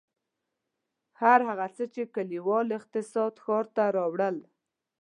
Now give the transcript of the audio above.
هر هغه څه چې کلیوال اقتصاد ښار ته وړل.